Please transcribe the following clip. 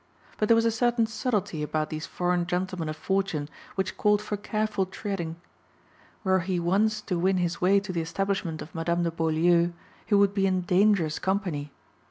But there was a certain subtlety about these foreign gentlemen of fortune which called for careful treading. Were he once to win his way to the establishment of Madame de Beaulieu he would be in dangerous company.